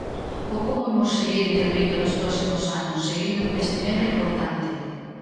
Ou como imos seguir intervindo nos próximos anos, seguindo un investimento importante.